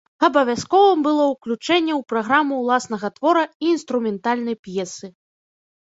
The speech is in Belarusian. Абавязковым было ўключэнне ў праграму ўласнага твора і інструментальнай п'есы.